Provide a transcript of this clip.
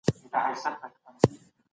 پرمختګ هېڅکله بې له پلانه نه سي راتلای.